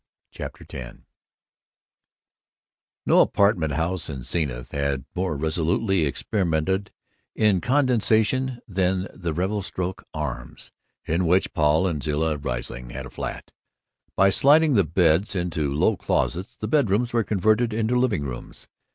CHAPTER X I No apartment house in Zenith had more resolutely experimented in condensation than the Revelstoke Arms, in which Paul and Zilla Riesling had a flat. By sliding the beds into low closets the bedrooms were converted into living rooms.